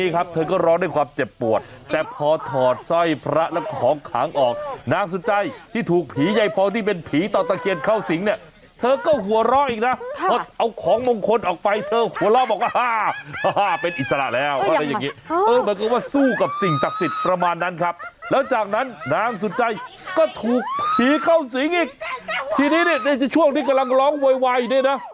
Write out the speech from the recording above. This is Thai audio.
แล้วจากนั้นนางสุดใจก็ถูกผีเข้าสิงอีกทีนี้นี่ในช่วงที่กำลังร้องวัยวัยนี่น่ะ